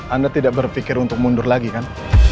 anda tidak berpikir untuk mundur lagi kan